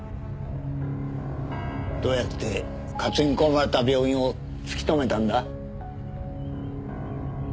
どうやって担ぎ込まれた病院を突き止めたんだ？